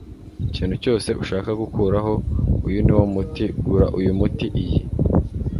ikintu cyose ushaka gukuraho, uyu niwo muti. gura uyu muti, iyi